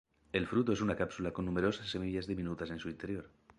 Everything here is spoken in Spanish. El fruto es una cápsula con numerosas semillas diminutas en su interior.